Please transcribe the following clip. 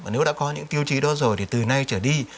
nếu đã có những tiêu chí đó rồi thì từ nay trở đi